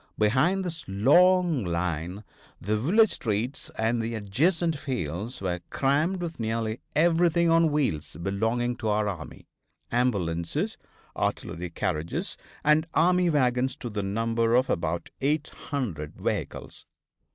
Behind this long line the village streets and the adjacent fields were crammed with nearly everything on wheels belonging to our army ambulances, artillery carriages and army wagons to the number of about 800 vehicles.